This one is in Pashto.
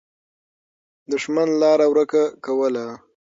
دښمن لاره ورکه کوله.